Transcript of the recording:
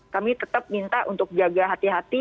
kami tetap minta untuk jaga hati hati